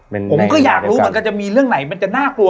ผมก็อยากรู้เหมือนกันจะมีเรื่องไหนมันจะน่ากลัว